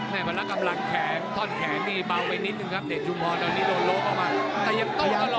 แม่บรรละกำลังแขนท่อนแขนนี่เบาไปนิดนึงครับเดชยุมฮอร์ตอนนี้โดนโลกเข้ามา